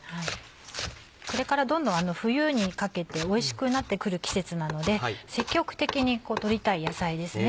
これからどんどん冬にかけておいしくなってくる季節なので積極的に取りたい野菜ですね。